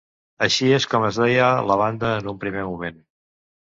Així és com es deia la banda en un primer moment.